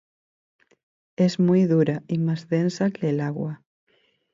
Es muy dura y más densa que el agua.